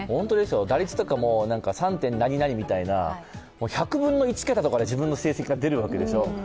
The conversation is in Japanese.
打率とか、さんてんなになにみたいな１００分の１桁とかで自分の成績が出るわけでしょう。